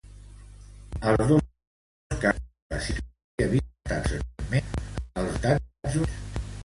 Els dos casos eren pacients que havien estat recentment als Estats Units.